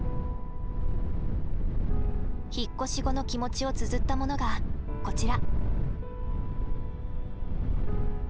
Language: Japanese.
引っ越し後の気持ちをつづったものがこちら。